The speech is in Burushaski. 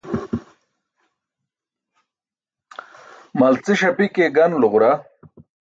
Malciṣ api ke ganulo ġura.